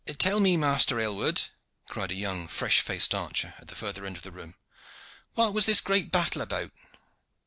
"Tell me, master Aylward," cried a young fresh faced archer at the further end of the room, "what was this great battle about?"